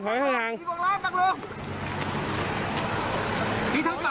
ร้านทางกะด้วย